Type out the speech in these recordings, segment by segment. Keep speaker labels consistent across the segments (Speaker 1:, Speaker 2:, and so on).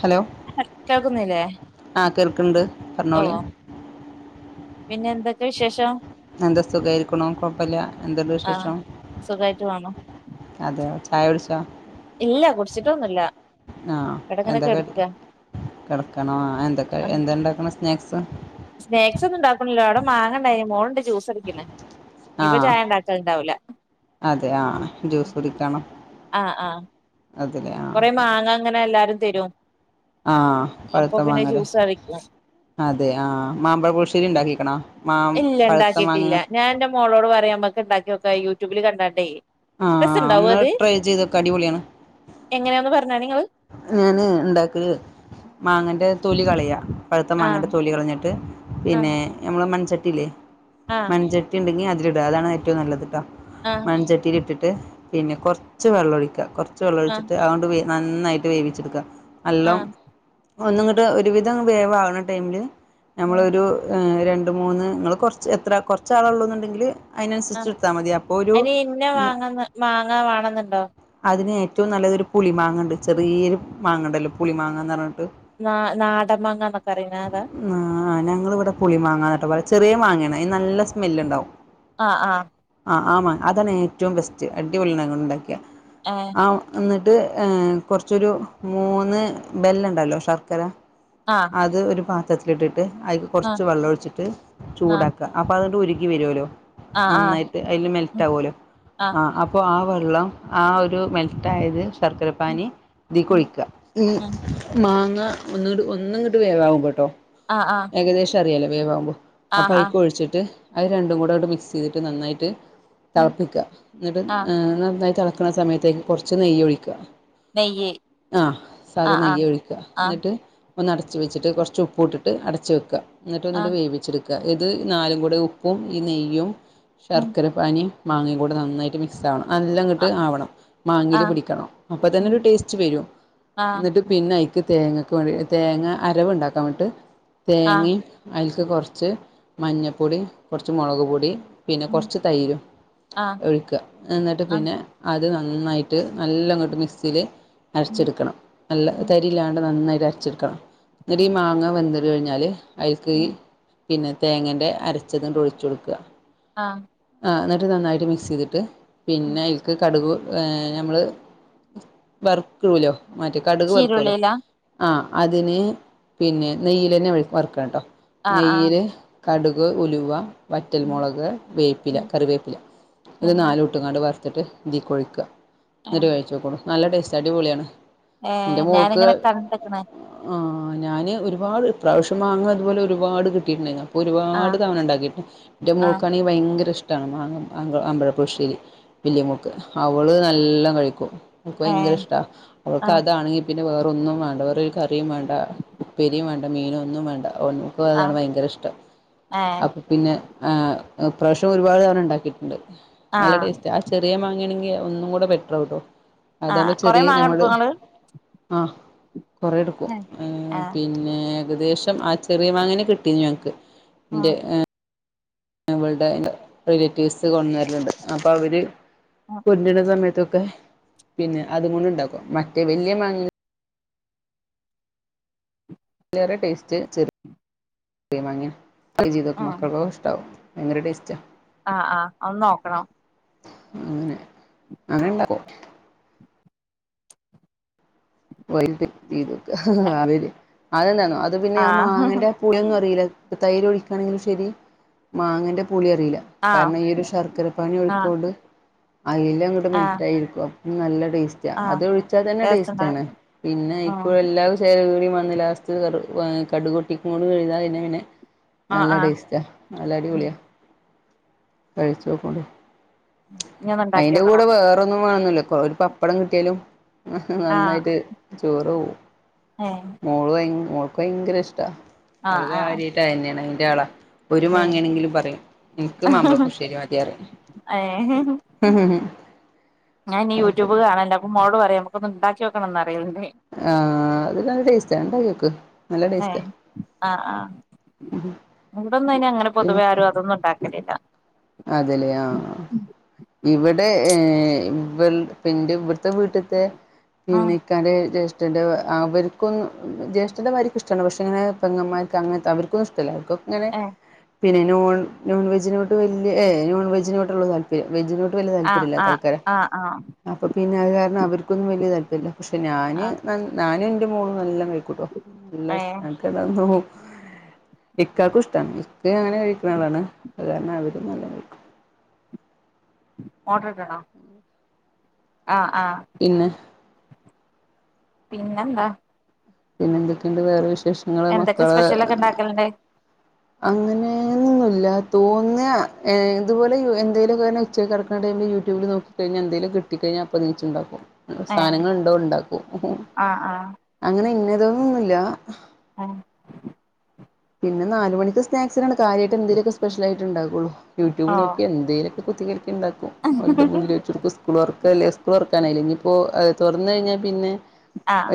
Speaker 1: Hello
Speaker 2: കേൾക്കുന്നില്ലേ
Speaker 1: ആ കേൾക്ക്‌ണ്ട്
Speaker 2: ഓ
Speaker 1: പർഞ്ഞോളീം
Speaker 2: പിന്നെ എന്തൊക്കേ വിശേഷം
Speaker 1: എന്താ സുഖായിരിക്ക്‌ണൂ കൊഴ്പ്പല്ല്യാ എന്തുണ്ട്
Speaker 2: ആഹ്
Speaker 1: വിശേഷം
Speaker 2: സുഖായിട്ട് പോണു
Speaker 1: അതേയോ ചായുടിച്ചോ
Speaker 2: ഇല്ല കുട്ച്ച്ട്ടൊന്നുല്ല ഇബടങ്ങനെ കെട്ക്കാ
Speaker 1: കെട്ക്കേണോ ആ എന്തൊക്കേ എന്താ ണ്ടാക്ക്‌ണ് സ്നാക്സ്
Speaker 2: സ്നേക്സ് ഒന്നും ഉണ്ടാക്കുണില്ലാ അവ്ടെ മാങ്ങണ്ടായ്ന് മോളുണ്ട് ജ്യൂസ് അടിയ്ക്ക്‌ണ്
Speaker 1: ആ
Speaker 2: ഞ്ഞിപ്പ ചായ ണ്ടാക്കല് ണ്ടാവൂല
Speaker 1: അതെ ആ ജ്യൂസ് കുടിക്കാണോ
Speaker 2: ആഹ് ആഹ്
Speaker 1: അത് ലെയാ
Speaker 2: കൊറെ മാങ്ങ അങ്ങനെ എല്ലാരും തരും
Speaker 1: ആ
Speaker 2: അപ്പൊ
Speaker 1: പഴുത്ത
Speaker 2: പിന്നെ
Speaker 1: മാങ്ങലേ
Speaker 2: ജ്യൂസ് അടിക്കും
Speaker 1: അതെ ആ മാമ്പഴ പ്പുളിശ്ശേരി ണ്ടാക്കീക്കണോ മാം
Speaker 2: ഇല്ല
Speaker 1: പഴുത്ത മാങ്ങനെ
Speaker 2: ഉണ്ടാക്കിയിട്ടില്ല
Speaker 1: കൊണ്ട്
Speaker 2: ഞാൻ എന്റെ മോളോട് പറയാ നമ്മക്കെ ഇണ്ടാക്കി നോക്ക യൂടൂബില് കണ്ടാണ്ടേ
Speaker 1: ആഹ്
Speaker 2: രസണ്ടാവോ
Speaker 1: അന്ന
Speaker 2: അത്
Speaker 1: ട്രൈ ചെയ്ത് നോക്ക് അടിപൊളിയാണ്
Speaker 2: എങ്ങനെയാന്ന് പറഞ്ഞാ നിങ്ങള്
Speaker 1: ഞാന് ഉണ്ടാക്കല് മാങ്ങന്റെ തൊലി കളയാ പഴുത്ത മാങ്ങ
Speaker 2: ആഹ്
Speaker 1: ടെ തോലി കളഞ്ഞിട്ട്
Speaker 2: ആഹ്
Speaker 1: പിന്നെ നമ്മൾ മൺചട്ടിയില്ലേ
Speaker 2: ആഹ്
Speaker 1: മൺച ട്ടി ഉണ്ടെങ്കിൽ അതില് ഇടുക അതാണ് ഏറ്റവും നല്ലത് കേട്ടോ
Speaker 2: ആഹ്
Speaker 1: മൺചട്ടിൽ ഇട്ടിട്ട് പിന്നെ കുറച്ച് വെള്ളമൊഴിക്ക കുറച്ച്
Speaker 2: ആഹ്
Speaker 1: വെള്ളമൊഴിച്ചിട്ട് അതുകൊണ്ട് നന്നായിട്ട് വേവിച്ചെടുക്കുക നല്ലോം
Speaker 2: ആഹ്
Speaker 1: ഒന്നി ഇങ്ങട്ട് ഒരുവിധം വേവകുന്ന ടൈമില്
Speaker 2: ആഹ്
Speaker 1: നമ്മളൊരു രണ്ട് മൂന്ന് നിങ്ങൾ കൊറച്ച് എത്ര കൊറച്ചാളള്ളൂ എന്നുണ്ടെങ്കില്
Speaker 2: ആഹ്
Speaker 1: അതിനനുസരിച്ചടുത്താ മതി അപ്പൊ ഒരു
Speaker 2: അയിന് ഇന്ന മാങ്ങന്ന് മാങ്ങ വേണെന്നുണ്ടോ
Speaker 1: അതിന് ഏറ്റവും നല്ലതൊരു പുളി മാങ്ങ ഉണ്ട് ചെറിയൊരു മാങ്ങ ഉണ്ടല്ലോ പുളി മാങ്ങന്ന് പറഞ്ഞിട്ട്
Speaker 2: ന നാടമാങ്ങന്നൊക്കെ അറിയുന്ന അതാ
Speaker 1: ആ ഞങ്ങള് ഇവിടെ പുളി മാങ്ങാന്നട്ട പറയണെചെറിയ മാങ്ങയാണ്അതിന് നല്ല സ്മെല്ല് ഉണ്ടാവും
Speaker 2: ആഹ് ആഹ്
Speaker 1: ആഹ് ആഹ് അമാങ്ങ അതാണ് ഏറ്റവും ബെസ്റ്റ് അടിപൊളിയാണ് അതുകൊണ്ട് ഉണ്ടാക്കിയ
Speaker 2: ആഹ്
Speaker 1: ആ എന്നിട്ട് കുറച്ചൊരു മൂന്ന് ബെല്ലണ്ടല്ലോ ശർക്കര
Speaker 2: ആഹ്
Speaker 1: അത് ഒരു പാത്രത്തിലിട്ടിട്ട് അതി കുറച്ച് വെള്ളമൊഴിച്ചിട്ട്
Speaker 2: ആഹ്
Speaker 1: ചൂടാക്കും അപ്പൊ അതങ്ങട്ട് ഉരുകി വരുവല്ലോ
Speaker 2: ആഹ് ആഹ് ആഹ് ആഹ്
Speaker 1: നന്നായിട്ട് അതില്
Speaker 2: ഉം
Speaker 1: മെൽറ്റ് ആകുമല്ലോ ആഹ് അപ്പൊ ആഹ് വെള്ളം ആ ഒരു മെൽറ്റായത്
Speaker 2: ഉം
Speaker 1: ശർക്കരപ്പാനി ഇതി
Speaker 2: ഉം
Speaker 1: കൊഴിക്ക ഈ
Speaker 2: ഉം
Speaker 1: മാങ്ങ ഒന്നട്ട് ഒന്ന ഇങ്ങോട്ട് വേവാവും കേട്ടോ
Speaker 2: ആഹ്ആഹ്
Speaker 1: ഏകദേശം അറിയല്ലേ വേവ് ആവുമ്പോ അപ്പൊ അതിക്ക് ഒഴിച്ചിട്ട് അത് രണ്ടും കൂടെട്ട് മിക്സ് ചെയ്തിട്ട് നന്നായിട്ട്
Speaker 2: ഉം
Speaker 1: തിളപ്പിക്കുക എന്നിട്ട്
Speaker 2: ആഹ്
Speaker 1: നന്നായി തിളപ്പുക വൽക്കുന്ന സമയത്തേക്ക് കുറച്ച് നെയ്യ് ഒഴിക്കുക
Speaker 2: നെയ്യ്
Speaker 1: ആഹ് സാധ
Speaker 2: ആഹ്
Speaker 1: നെയ്യ്
Speaker 2: ആഹ്
Speaker 1: ഒഴിക്കുക
Speaker 2: ആഹ്
Speaker 1: എന്നിട്ട് ഒന്ന് അടച്ച് വെച്ചിട്ട് കുറച്ച് ഉപ്പ് ഇട്ടിട്ട് അടച്ച് വയ്ക്കുക എന്നിട്ട് ഒന്നിട്ട്
Speaker 2: ആഹ്
Speaker 1: വേവിച്ചെടുക്കുക ഇത് നാലും കൂടെ ഉപ്പും ഈ നെയ്യും
Speaker 2: ഉം
Speaker 1: ശർക്കരയും പാനി മാങ്ങ കൂടെ നന്നായിട്ട് മിക്സ് ആവണം നല്ലാം ഇങ്ങിട്ട്
Speaker 2: ആഹ്
Speaker 1: ആവണം മാങ്ങയിൽ
Speaker 2: ആഹ്
Speaker 1: പിടിക്കണം അപ്പം തന്നെ
Speaker 2: ഉം
Speaker 1: ഒരു ടേസ്റ്റ് വരും
Speaker 2: ആഹ്
Speaker 1: എന്നിട്ട് പിന്നെ അയ്ക്ക് തേങ്ങക്ക് വേണ്ടി തേങ്ങ അരവുണ്ടാക്കാൻ വേണ്ടിട്ട്
Speaker 2: ആഹ്
Speaker 1: തേങ്ങയും അതിൽക്ക് കുറച്ച് മഞ്ഞപ്പൊടി കുറച്ച് മുളക് പൊടി പിന്നെ
Speaker 2: ഉം
Speaker 1: കുറച്ച് തൈരും
Speaker 2: ആഹ്
Speaker 1: ഒഴിക്കുക എന്നിട്ട്
Speaker 2: ആഹ്
Speaker 1: പിന്നെ അത് നന്നായിട്ട് നല്ലങ്ങോട്ട് മിക്സിയിൽ
Speaker 2: ഉം
Speaker 1: അരച്ചെടുക്കണം നല്ല
Speaker 2: ഉം
Speaker 1: തരില്ലാണ്ട് നന്നായിട്ട് അരച്ചെടുക്കണം എന്നിട്ട് ഈ
Speaker 2: ആഹ്
Speaker 1: മാങ്ങ എന്തര് കഴിഞ്ഞാല് അയിക്ക്
Speaker 2: ഉം
Speaker 1: ഈ തേങ്ങേന്റെഅരച്ചത് ങ്ങട്ട് ഒഴിച്ച് കൊടുക്ക
Speaker 2: ആഹ്
Speaker 1: ആഹ് എന്നിട്ട് നന്നായിട്ട് മിക്സ് ചെയ്തിട്ട്
Speaker 2: ഉം
Speaker 1: പിന്നെ അതിൽക്ക് കടുക് ഞമ്മള് വറക്കൂലോ മറ്റേ കടുക് വറുക്ക കൂല്ലോ
Speaker 2: ചീരുള്ളിലാ
Speaker 1: ആഹ് അതിന് പിന്നെ നെയ്യൽന്നെ വറക്ക കേട്ടോ
Speaker 2: ആഹ് ആഹ്
Speaker 1: നെയ്യില് കടുക് ഉലുവ
Speaker 2: ഉം
Speaker 1: വറ്റൽമുളക് വേപ്പില
Speaker 2: ഉം
Speaker 1: കറിവേപ്പില ഇത്
Speaker 2: ഏഹ്
Speaker 1: നാലും ഇട്ടുംങ്ങാണ്ട് വറുത്തിട്ട് ഇതി ക്കോടെ ഒഴിക്കുക എന്നിട്ട്
Speaker 2: ഏഹ്
Speaker 1: കഴിച്ചോക്കൂ നല്ല ടേസ്റ്റ് ആണ് അടിപൊളിയാണ്
Speaker 2: ഏഹ്
Speaker 1: എന്റെ മോൾക്ക്
Speaker 2: ഞാനിങ്ങനെ കണ്ട്ക്ക്ണ്
Speaker 1: ഞാന് ഒരുപാട് പ്രാവശ്യം മാങ്ങ ഇതുപോലെ ഒരുപാട് കിട്ടിട്ടുണ്ടയിരുന്നു ഒരുപാട്
Speaker 2: ആഹ്
Speaker 1: തവണ ഉണ്ടാക്കിയിട്ടുണ്ട് എന്റെ
Speaker 2: ആഹ്
Speaker 1: മോൾക്കാണേ ഭയങ്കര ഇഷ്ടമാണ് മാങ്ങ മാമ്പഴപ്പുളിശ്ശേരി വലയമോൾക്ക് അവള് നല്ലോം കഴിക്കും അവക്ക് ഭയങ്കര
Speaker 2: ഏഹ്
Speaker 1: ഇഷ്ടാ അവൾക്ക്
Speaker 2: ആഹ്
Speaker 1: അതാണെങ്കി പിന്നെ വേറൊന്നും വേണ്ട വേറൊരു കറിയും വേണ്ട ഉപ്പേരിയും വേണ്ട മീനും ഒന്നും വേണ്ട ഒന്നും അവക്കും അതാണ്
Speaker 2: ആഹ്
Speaker 1: ഭയങ്കര ഇഷ്ടം
Speaker 2: ഏഹ്
Speaker 1: അപ്പം പിന്നെ പ്രഷം ഒരുപാട് തവണ ഉണ്ടാക്കിയിട്ടുണ്ട് നല്ല ടേസ്റ്റ് ആഹ് ചെറിയ മാങ്ങയാണെങ്കിൽ ഒന്നും കൂടെ ബെറ്ററാവൂട്ടോ
Speaker 2: ആഹ്
Speaker 1: അതാകുമ്പോ
Speaker 2: കൊറെ
Speaker 1: ചെറിയ
Speaker 2: മാങ്ങ
Speaker 1: ഞമ്മള്
Speaker 2: എടുക്കോ ഇങ്ങള്
Speaker 1: ആഹ് കുറെ എടുക്കും
Speaker 2: ആഹ്
Speaker 1: പിന്നെ ഏകദേശം ആഹ് ചെറിയ മാങ്ങേനെ കിട്ടി ഞങ്ങൾക്ക് എന്റെ
Speaker 2: ഉം
Speaker 1: അവളടെ അന്റെ റിലേറ്റീവ്സ് കണ്ണൂരിലുണ്ട് അപ്പൊ അവര് കൊണ്ടുരണ സമയത്തൊക്കെ പിന്നെ അതുകൊണ്ട് ഉണ്ടാക്കും മറ്റേ വലിയ മാങ്ങ അതിലേറെ ടേസ്റ്റ് ചെറിയ മാങ്ങയാ അങ്ങനെ ചെയ്തോക്ക് മക്കൾക്കും ഇഷ്ടാകും ഭയങ്കര ടേസ്റ്റാണ്
Speaker 2: ആഹ് ആഹ് ഒന്ന് നോക്കണം
Speaker 1: അങ്ങനെ അങ്ങനെ ഇണ്ടാകും ഓയിൽ തിരുമ്മി വെക്കും ആഹ് അറിയില്ലേ അതെന്താണോ അത് പിന്നെ ആഹ് മാങ്ങേന്റെ പുളിയൊന്നും അറിയില്ല ഇപ്പൊ തൈര് ഒഴിക്കുകയാണെങ്കിലും ശെരി മാങ്ങേന്റെ പുളി അറിയില്ല
Speaker 2: ആഹ്
Speaker 1: കാരണം ഈ ഒരു ശർക്കര പാനി
Speaker 2: ആഹ്
Speaker 1: ഒഴിക്കൊണ്ട് അതില് അങ്ങോട്ട്
Speaker 2: ആഹ്
Speaker 1: മെൽറ്റായിരിക്കും അപ്പം നല്ല ടേസ്റ്റാണ്
Speaker 2: ആഹ്
Speaker 1: അത് ഒഴിച്ചാൽ തന്നെ
Speaker 2: ടേസ്റ്റ്ണ്ടാവും
Speaker 1: ടേസ്റ്റണ് പിന്നെ ഇപ്പോ
Speaker 2: ഉം
Speaker 1: എല്ലാ ചേരുവ കൂടി വന്ന് ലാസ്റ്റ് കടുകൊട്ടിക്ക കൂടികഴിഞ്ഞു കഴിഞ്ഞ പിന്നെ പിന്നെ
Speaker 2: ആഹ്
Speaker 1: നല്ല
Speaker 2: ആഹ്
Speaker 1: ടേസ്റ്റാ നല്ല അടിപൊളിയാ കഴിചോക്
Speaker 2: ഇനി ഒന്ന് ഉണ്ടാക്കി
Speaker 1: അതിന്റെ കൂടെ
Speaker 2: നോക്കണം
Speaker 1: വേറൊന്നും വേണോന്നില്ലാ ഒരു പപ്പടം കിട്ടിയാലും
Speaker 2: ആഹ്
Speaker 1: നന്നായിട്ട് ചോറു പോവും
Speaker 2: ഏഹ്
Speaker 1: മോള് ഭയ മോൾക്ക് ഭയങ്കര ഇഷ്ടാ
Speaker 2: ആഹ്
Speaker 1: അവള്
Speaker 2: ആഹ്
Speaker 1: കാര്യമായിട്ടാന്നെയാണ് അതിന്റെയാളാ ഒരു
Speaker 2: ഏഹ്
Speaker 1: മാങ്ങയാണെങ്കിലും പറയും യനക്ക് മാമ്പഴ പുളിശ്ശേരി മതി പറയും ഉം ഹ
Speaker 2: ഞൻ ഈ യൂട്യൂബ് കാണ് ഉണ്ട് അപ്പൊ മോളോട് പറയും നമുക്ക് ഒന്ന് ഇണ്ടാക്കി നോക്കണം പറയൽ ഉണ്ട്‌
Speaker 1: ജസ്റ്റ് ഉണ്ടാക്കി നോക്ക് നല്ല ടേസ്റ്റാ
Speaker 2: ആഹ് ആഹ് ഇവിടൊന്നും അയിന് അങ്ങനെ
Speaker 1: പിന്നെ
Speaker 2: പൊതുവെ ആരും അതൊന്നും ഉണ്ടാക്കലില്ല
Speaker 1: അതേല്ലേ ആഹ് ഇവിടെ ഏഹ് ഇപ്പൊ എന്റെ ഇവിടുത്തെ വീട്ടിത്തെ
Speaker 2: ഉം
Speaker 1: പിന്നെ ഇക്കാടെ ജ്യേഷ്ഠൻ്റെ അവർക്കൊന്നും ജ്യേഷ്ഠൻ്റെ ഭാര്യക്കും ഇഷ്ടമാണ് പക്ഷേ ഇങ്ങനെ പെങ്ങമാർക്ക് അങ്ങനത്തെ അവർ ഇഷ്ടവില്ല അവർക്ക് ഒക്കെ അങ്ങനെ
Speaker 2: ഏഹ്
Speaker 1: പിന്നെ നോൺ നോൺ വെജിനോട് വല്ല്യ നോൺ വെജിനോടുള്ളു താൽപര്യം വെജിനോട് വലിയ
Speaker 2: ആഹ്
Speaker 1: താല്പര്യം ഇല്ല
Speaker 2: ആഹ്
Speaker 1: തൽക്കാലം
Speaker 2: ആഹ് ആഹ്
Speaker 1: അപ്പം പിന്നെ അത് കാരണം അവർക്കൊന്നും വലിയ താല്പര്മില്ല പക്ഷെ ഞാന്
Speaker 2: ആഹ്
Speaker 1: ഞാനും എന്റെ മോളും നല്ലോം കഴിക്കൂട്ടോ നല്ല
Speaker 2: ഏഹ്
Speaker 1: ഇക്കാക്കും ഇഷ്ടമാണ് ഇക്ക അങ്ങനെ കഴിക്കുന്ന ആളാണ് അത് കാരണം അവര് നല്ലോം കഴിക്കും
Speaker 2: ഓഡറാക്കണോ ആഹ് ആഹ്
Speaker 1: പിന്നെ
Speaker 2: പിന്നെന്താ
Speaker 1: പിന്നെ എന്തൊക്കെയുണ്ട് വേറെ വിശേഷങ്ങള്
Speaker 2: എന്തൊക്കെ
Speaker 1: മക്കള്
Speaker 2: സ്പെഷ്യലൊക്കെ ഉണ്ടാക്കലുണ്ട്
Speaker 1: അങ്ങനെ ന്നുല്ല തോന്ന്യാ ഇതുപോലെ എന്തെലൊക്കെ ഉച്ചക്ക് കേടക്ക്ണ ടൈമില് യൂട്യൂബില് നോ കഴിഞ്ഞ എന്തേലും കിട്ടി കഴിഞ്ഞാ അപ്പ നീച്ച് ഇണ്ടാക്കും
Speaker 2: ഏ
Speaker 1: സാനങ്ങള് ഇണ്ടോ ഇണ്ടാക്കും
Speaker 2: ആ ആ
Speaker 1: അങ്ങനെ ഇനത്ന്നൊന്നും ഇല്ല
Speaker 2: ആഹ്
Speaker 1: പിന്നെ നാലുമണിക്ക് സ്നാക്സ്നാണ് കാര്യായിട്ട് എന്തേലൊക്കെ സ്പെഷ്യലായിട്ട് ഇണ്ടാക്കോള്ളു യുട്യൂബ്
Speaker 2: ആ
Speaker 1: നോക്കി എന്തേലും കുത്തി കൽ‌ക്കി ഇണ്ടാക്കും ഓൽത് മുന്നില് വെച്ച് കൊടുക്കും സ്കൂള് തോറക്കല്ലേ സ്കൂള് തോറക്കാനായില്ലേ ഇഞ്പ്പോ തോർന്ന് കഴിഞ്ഞാ പിന്നെ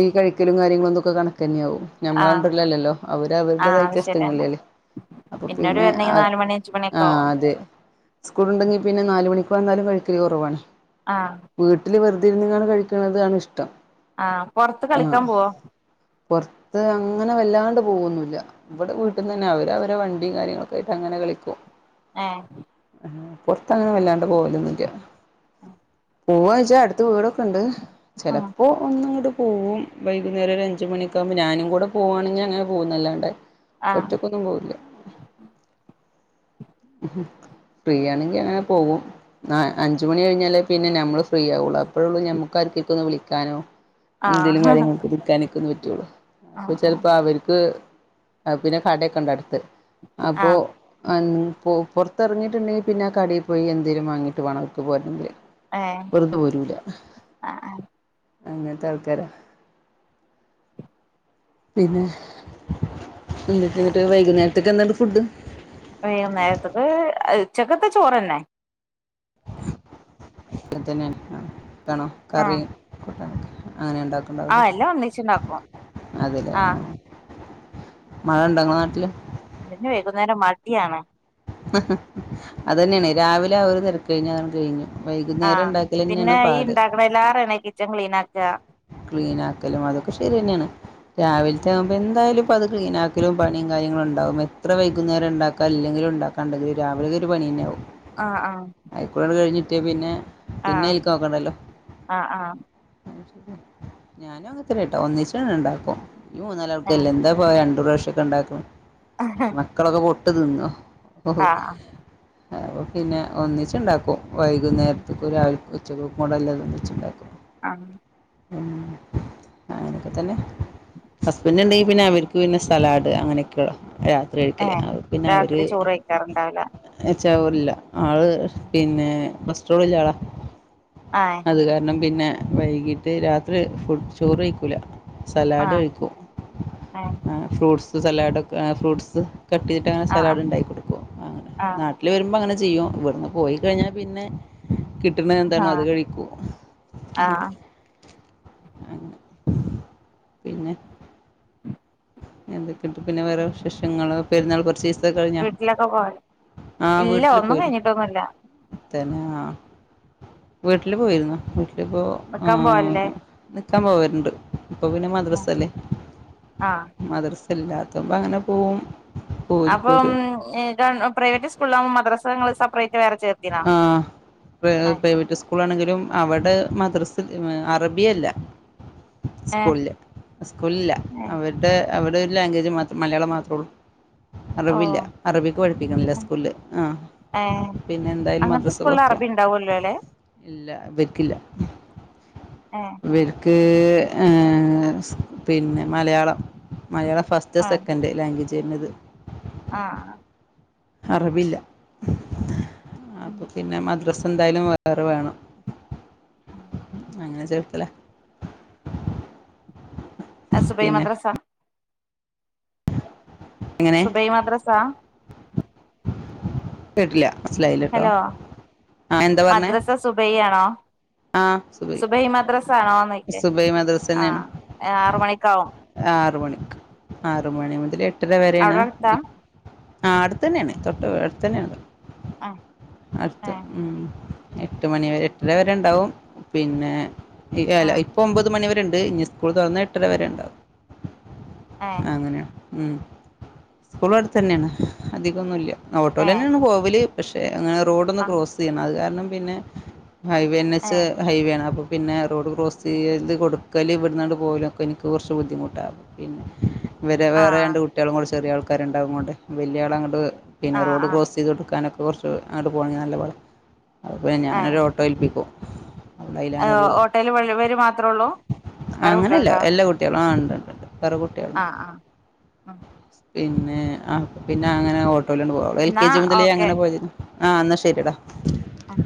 Speaker 1: ഈ കഴിക്കലും കാര്യങ്ങളും [unintelligible] കണക്കന്നെ ആവും
Speaker 2: ആ
Speaker 1: ഞമ്മളെ കണ്ടർല്ലല്ലല്ലോ അവര്
Speaker 2: ആ
Speaker 1: അവരുടേതായി
Speaker 2: അത് ശരിയാണ്
Speaker 1: [unintelligible] അപ്പ
Speaker 2: പിന്നോര്
Speaker 1: പിന്നെ
Speaker 2: വരണെങ്കി
Speaker 1: അത്
Speaker 2: നാല് മണി അഞ്ച് മണിയൊക്കെ ആവും
Speaker 1: ആഹ് തെ സ്കൂള്ണ്ടെങ്കി പിന്നെ നാലുമണിക്ക് വന്നാലും കഴിക്കല് കുറവാണ്
Speaker 2: ആഹ്
Speaker 1: വീട്ട്ല് വെർതെ ഇര്ന്ന്ങ്ങാണ് കഴിക്ണതാണ് ഇഷ്ടം
Speaker 2: ആഹ് പോർത്ത് കളിക്കാം പോവോ?
Speaker 1: പോർത്ത് അങ്ങനെ വല്ലാണ്ട് പോവൊന്നുല്ല ഇവടെ വീട്ട്ന്നനെ അവര് അവരെ വ ണ്ടി കാര്യങ്ങളൊക്കെയ്ട്ട് അങ്ങനെ കളിക്കും
Speaker 2: ഏഹ്
Speaker 1: പോർത്ത് അങ്ങനെ വല്ലാണ്ട് പോവലോന്നുല്ല പോവായ്ച്ച അടുത്ത് വീടൊക്കെ ഇണ്ട്
Speaker 2: ഉം
Speaker 1: ചെലപ്പോ ഒന്നങ്ങട്ട് പോവും വൈകുന്നേരം ഒരു അഞ്ച് മണിക്കാകുമ്പോ ഞാനും കൂടെ പോകാണെങ്കി അങ്ങനെ പോവുംന്നല്ലാണ്ടെ
Speaker 2: ആ
Speaker 1: ഒറ്റക്കൊന്നും പോവില്ല ഉം ഫ്രീ ആണെങ്കി അങ്ങനെ പോകും ആഹ് അഞ്ചുമണി കഴിഞ്ഞാലേ പിന്നെ നമ്മള് ഫ്രീ ആവുള്ളു അപ്പോയോള്ളൂ നമുക്ക് ആർക്കൊക്കെ ഒന്ന് വിളിക്കാനോ
Speaker 2: ആ
Speaker 1: എന്തേലും കാര്യങ്ങൾക്ക് നിക്കാനൊക്കെ ഒന്ന് പറ്റുള്ളൂ
Speaker 2: ആ
Speaker 1: അപ്പ ചെൽപ്പോ അവർക്ക് അപ്പ പിന്നെ കടൊക്കെ ഇണ്ട് അട്ത്ത്
Speaker 2: ആ
Speaker 1: അപ്പൊ ആഹ് പോർത്തറങ്ങിട്ടുണ്ടെങ്കി പിന്നെ ആഹ് കടീ പോയി എന്തെലും വാങ്ങിട്ട് വാണം അവർക്ക് പോരെണെങ്കില്
Speaker 2: ഏ
Speaker 1: വെർതെ പോരൂല
Speaker 2: ആ
Speaker 1: അങ്ങൻത്തെ ആൾക്കാര പിന്നെ [unintelligible] വൈകുന്നേരത്ത്ക്ക് എന്താ ഫുഡ്?
Speaker 2: വൈകുന്നേരത്ത്ക്ക് ഉച്ചക്കത്തെ ചോറന്നെ
Speaker 1: [unintelligible] ഉണ്ടാവില്ല
Speaker 2: ആ ആ എല്ലാം ഒന്നിച്ചുണ്ടാക്കും
Speaker 1: അത് ല്ലേ
Speaker 2: ആ
Speaker 1: ആഹ് മഴ ഇണ്ടോ ഇങ്ങളെ നാട്ടില്?
Speaker 2: പിന്നെ വൈകുന്നേരം മടിയാണ്
Speaker 1: അതന്നെണ് രാവിലെ [unintelligible] തെരക്ക് കഴിഞ്ഞ അതങ്ങട്ട് കഴിഞ്ഞു വൈകുന്നേരം
Speaker 2: ആഹ്
Speaker 1: ഉണ്ടാക്കൽ തന്നെയാണ്
Speaker 2: പിന്നെ ഈ
Speaker 1: പാട്
Speaker 2: ഇണ്ടാക്ണീലേറെണ് ഈ കിച്ചൺ ക്ലീനാക്ക
Speaker 1: ക്ലീനാക്കലും അതൊക്കെ ശെരിന്നെണ് രാവിൽത്തെ ആവു പ്പ എന്തായാലും പ്പത് ക്ലീനക്കലും പണിം കാര്യങ്ങളുണ്ടാകും എത്ര വൈകുന്നേരം ഇണ്ടാക്കാൻ ഇല്ലെങ്കിലും ഇണ്ടാക്ക കണ്ടത് രാവിലെ ഒരു പണിന്നെ ആവും
Speaker 2: ആഹ് ആഹ്
Speaker 1: അയ്ക്കുടങ്ങട്ട് കഴിഞ്ഞിട്ട്യാ പിന്നെ പിന്നെ അയിൽക്ക് നോക്കണ്ടല്ലോ
Speaker 2: ആ ആ
Speaker 1: ഞാനും അങ്ങൻത്തെന്നെട്ടോ ഒന്നിച്ചണ്ട് ഇണ്ടാക്കും ഈ മൂന്നാല്
Speaker 2: ആ
Speaker 1: ആൾക്കല്ലേ എന്താ പ്പോ രണ്ടു പ്രാവശ്യക്കെ ഇണ്ടാക്ണ്
Speaker 2: ആഹ്
Speaker 1: മക്കളൊക്കെ പുട്ട് തിന്നോ ഓഹ്
Speaker 2: ആഹ്
Speaker 1: അപ്പോ പിന്നെ ഒന്നിച്ച്‌ണ്ടാക്കും വൈകുന്നേരത്ത്ക്കും രാവിൽ ഉച്ചക്കകും കൂടി ഇള്ളത് വെച്ച്‌ണ്ടാക്കും
Speaker 2: ആഹ്
Speaker 1: ഉം. അങ്ങനെക്കെ തെന്നെ ഹസ്ബൻഡ്ണ്ടെങ്കി പിന്നെ അവര്ക്ക് പിന്നെ സലാഡ് അങ്ങനെക്കെള്ള രാ ത്രി കഴിക്കല് [unintelligible] പിന്നവര്
Speaker 2: ഏറണ്ടാവൂല
Speaker 1: എച്ചാവൂല്ല ആള് പിന്നെ ബസ് ട്രോളില്ലാളാ.
Speaker 2: ആഹ്.
Speaker 1: അത് കാരണം പിന്നെ വൈകിട്ട് രാത്രി ഫുഡ് ചോറ് വെയ്ക്കൂല. സലാഡ്
Speaker 2: ആഹ്
Speaker 1: കഴിക്കും.
Speaker 2: ഏഹ്
Speaker 1: ആഹ് ഫ്രൂട്ട്സ് സലാഡൊക്കെ ആഹ് ഫ്രൂട്ട്സ്. കട്ടെയ്തിട്ടങ്ങനെ സലഡ്
Speaker 2: ആഹ്
Speaker 1: ണ്ടായി കൊട് അങ്ങനെ
Speaker 2: ആഹ്
Speaker 1: നാട്ടില് വെരുമ്പോ അങ്ങനെ ചെയ്യും ഇവട്ന്ന് പോയി കഴിഞ്ഞാ പിന്നെ കിട്ട്ണെ എന്താണോ അത്
Speaker 2: ആഹ്
Speaker 1: കഴിക്കും.
Speaker 2: ആഹ്
Speaker 1: എന്തൊക്കെണ്ട് പിന്നെ വേറെ വിശേഷങ്ങള് പെര്ന്നാൾ പർച്ചേസ് [unintelligible] കഴിഞ്ഞ
Speaker 2: വീട്ടിലൊക്കെ പോ
Speaker 1: ആഹ്
Speaker 2: ഇല്ല
Speaker 1: വീട്ട്ല്
Speaker 2: ഒന്നും
Speaker 1: പോയി
Speaker 2: കഴിഞ്ഞിട്ടൊന്നുല്ല
Speaker 1: [unintelligible] തന്നാ വീട്ട്ല് പോയിര്ന്നു വീട്ട്ലിപ്പോ
Speaker 2: നിക്കാൻ പോവല്ലേ
Speaker 1: ആഹ് നിക്കാൻ പോവാറ്ണ്ട് ഇപ്പൊ പിന്നെ മദ്രസല്ലേ.
Speaker 2: ആഹ്
Speaker 1: മദ്‌റസ് ല്ലാത്തപ ങ്ങനെ പോവും. പോരും
Speaker 2: അപ്പം
Speaker 1: പോരും
Speaker 2: എഹ് ഗവൺ പ്രൈവറ്റ് സ്കൂൾളാവും മദ്രസ ഇങ്ങള് സപ്രേറ്റ് വേറെ ചേർത്തിണോ?
Speaker 1: ആഹ് പ്ര എഹ് പ്രൈവറ്റ് സ്കൂളാണെങ്കിലും അവടെ മദ്രസ് ഏഹ് അറബ്യല്ല. സ്കൂൾല് സ്കൂളിൽല്ല
Speaker 2: ഏഹ്
Speaker 1: അവര്ടെ അവടൊരു ലാംഗ്വേജ് മാത്രം മലയാളം മാത്രൊള്ളു. അറബില്ല
Speaker 2: ഓഹ്
Speaker 1: അറബിക്ക് പഠിപ്പിക്ക്ണ്ല്ല സ്കൂൾല്. ആഹ്
Speaker 2: ഏഹ്
Speaker 1: പിന്നെന്തായ്‌ല്
Speaker 2: അങ്ങനത്തെ
Speaker 1: മദ്രസ്
Speaker 2: സ്കൂളിൽ
Speaker 1: പൊർത്ത് പോണം.
Speaker 2: അറബി ഉണ്ടാവുല്ലോ അല്ലെ
Speaker 1: ഇല്ല ഇവര്ക്കില്ല.
Speaker 2: ഏഹ്
Speaker 1: ക്ക് ഏഹ് സ് പിന്നെ Malayalam Malayalam first, second. Language വെര്ന്നത്.
Speaker 2: ആഹ് ആഹ്.
Speaker 1: അറബില്ല അപ്പോ പിന്നെ മദ്രസെന്തായാലും വേറെ വേണം. അങ്ങനെ ചേർത്തലാ.
Speaker 2: അത് സുബൈ മദ്രസ?
Speaker 1: എങ്ങനെ
Speaker 2: സുബൈ മദ്രസാ?
Speaker 1: കേട്ടില്ല മൻസ്സിലായില്ലട്ടോ ആഹ് എന്താ പർഞ്ഞേ?
Speaker 2: സുബൈയാണോ സുബെഹി മദ്രസാണോ നോയ്‌ക്ക.
Speaker 1: സുബൈ മദ്രസന്നെയാണ്
Speaker 2: ആഹ് ആറ് മണിക്കാവും.
Speaker 1: ആറ് മണിക്ക് ആറ് മണി മുതല് എട്ടര വെരെണ്.
Speaker 2: അവിടെ അടുത്താ
Speaker 1: ഇ ആഹ് അട്ത്തെന്നെണ് തൊട്ട് അട്ത്തെന്നെണ്ത്
Speaker 2: ആഹ്
Speaker 1: അട്ത്ത്
Speaker 2: ഏഹ്
Speaker 1: ഉം. എട്ട് മണി വ എട്ടര വെരെ ണ്ടാവും പിന്നെ ഇ ഏല
Speaker 2: ആഹ്
Speaker 1: ഇ പ്പോമ്പത് മണി വെരെണ്ട് ഇഞ് സ്കൂള് തൊർന്ന എട്ടര വേരെ ണ്ടാവും.
Speaker 2: ഏഹ്
Speaker 1: അങ്ങനെണ് ഉം സ്കൂളട്തെന്നെണ് അധിക്കൊന്നുല്ല.
Speaker 2: ഏഹ്
Speaker 1: ഓട്ടോലെന്നെണ് പോവല് പക്ഷെ അങ്ങളെ റോഡൊന്ന്
Speaker 2: ആഹ്
Speaker 1: ക്രോസെയ്യണം അത് കാരണം പിന്നെ ഹൈവേ എൻ എച്ച്
Speaker 2: ഏഹ്
Speaker 1: ഹൈവേണ് അപ്പൊ പിന്നെ റോഡ് ക്രോസ് ചെയ്ത് കൊടുക്കല് ഇവിടുന്നാണ്ട് പോലൊക്കെ എനിക്ക് കൊർ ച്ച് ബുദ്ധിമുട്ടാ പിന്നെ ഇവരെ വേറെ
Speaker 2: ആഹ്
Speaker 1: രണ്ട് കുട്ടികളും കൂടി ചെറിയ ആൾക്ക് ക്കാരുണ്ടാവും അങ്ങോണ്ട് വലിയാള് അങ്ങോട്ട് പിന്നെ റോഡ്
Speaker 2: ആഹ്
Speaker 1: ക്രോസ് ചെയ്ത് കൊടുക്കാനൊക്കെ കൊറച്ച് അങ്ങട്ട് പോണെങ്കിൽ നല്ല പരാ അപ്പം ഞാനൊരു ഓട്ടോ ഏൽപ്പിക്കും അവൾ അതിലങ്ങനെ
Speaker 2: ഓഹ്
Speaker 1: പോകും
Speaker 2: ഓട്ടോയില് ഇവര് മാത്രേ ഉള്ളൂ വേറെ കുട്ടികളുണ്ടോ
Speaker 1: കുട്ടികള് ആഹ് ഉണ്ട് ണ്ട് വേറെ കുട്ടികള്
Speaker 2: ആഹ് ആഹ് ആഹ്
Speaker 1: പിന്നെ അപ്പൊ പിന്നെ അങ്ങനെ ഓട്ടോയിലാണ് പോവും എൽ
Speaker 2: എന്നാ
Speaker 1: കെ ജി മുതലേ
Speaker 2: ഓക്കെ
Speaker 1: അങ്ങനെ പോയതേന്നു ആഹ് എന്നാ ശരിടാ
Speaker 2: ആഹ്